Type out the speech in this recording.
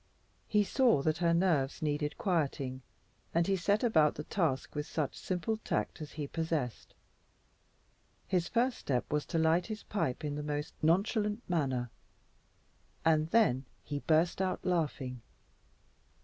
He saw that her nerves needed quieting, and he set about the task with such simple tact as he possessed. His first step was to light his pipe in the most nonchalant manner, and then he burst out laughing.